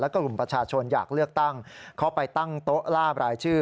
กลุ่มประชาชนอยากเลือกตั้งเขาไปตั้งโต๊ะล่าบรายชื่อ